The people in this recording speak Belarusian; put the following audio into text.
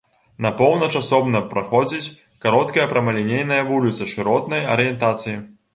На поўнач асобна праходзіць кароткая прамалінейная вуліца шыротнай арыентацыі.